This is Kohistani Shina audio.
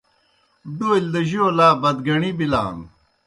ڈولیْ دہ جو لا بتگݨی بِلان۔